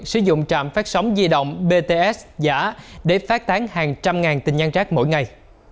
sử dụng trạm phát sóng di động bts giả để phát tán hàng trăm ngàn tin nhắn rác mỗi ngày